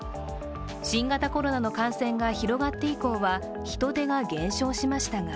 新型コロナの感染が広がって以降は人出が減少しましたが